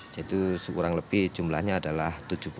jadi kurang lebih jumlahnya adalah tujuh puluh enam